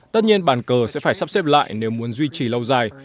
tất nhiên bàn cờ sẽ phải sắp xếp lại nếu muốn duy trì lâu dài